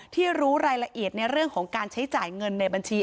รู้รายละเอียดในเรื่องของการใช้จ่ายเงินในบัญชี